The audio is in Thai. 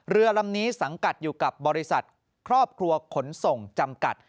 เรือลำนี้สังกัดอยู่กับบริษัทครอบครัวขนส่งจำกัด